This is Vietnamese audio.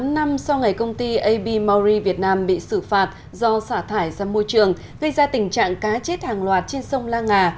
bốn năm sau ngày công ty ab mauri việt nam bị xử phạt do xả thải ra môi trường gây ra tình trạng cá chết hàng loạt trên sông la nga